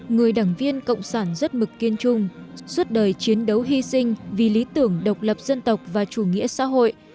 người đảng viên cộng sản rất mực kiên trung suốt đời chiến đấu hy sinh vì lý tưởng độc lập dân tộc và chủ nghĩa xã hội